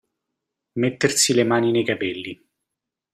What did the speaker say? Mettersi le mani nei capelli.